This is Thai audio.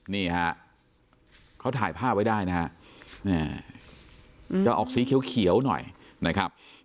นี่ฮะเขาถ่ายภาพไว้ได้นะฮะจะออกสีเขียวหน่อยนะครับ